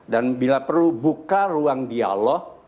dan bila perlu buka ruang dialog